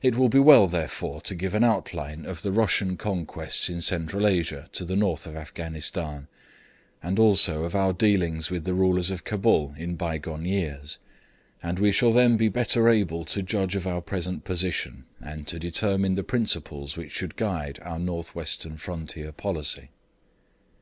It will be well therefore to give an outline of the Russian conquests in Central Asia to the north of Afghanistan, and also of our dealings with the rulers of Cabul in bygone years, and we shall then be better able to judge of our present position, and to determine the principles which should guide our North Western frontier policy.